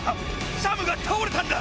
サムが倒れたんだ！